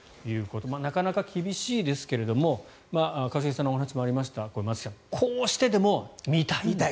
なかなか厳しいですが一茂さんのお話にもありました松木さん、こうしてでも見たい。